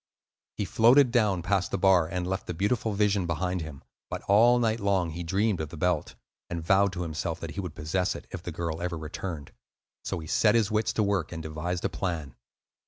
He floated down past the bar, and left the beautiful vision behind him; but all night long he dreamed of the belt, and vowed to himself that he would possess it, if the girl ever returned; so he set his wits to work and devised a plan.